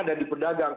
ada di pedagang